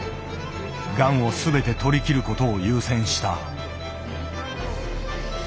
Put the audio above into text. がんを全て取りきることを優先した。